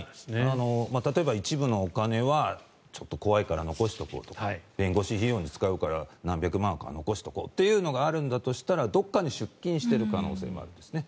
例えば一部のお金は怖いから残しておこうとか弁護士費用に使うから何百万かは残しとこうというのがあるんだとしたらどこかに出金している可能性もあるんですね。